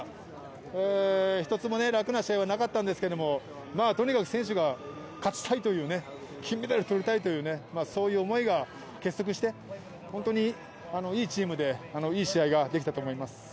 一つも楽な試合はなかったですけど、とにかく選手が勝ちたいという、金メダル取りたいという思いが結束して、いいチームでいい試合ができたと思います。